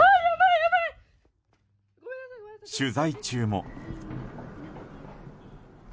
取材中も。